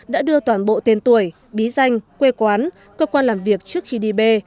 đã đưa toàn bộ tên tuổi bí danh quê quán cơ quan làm việc trước khi đi bê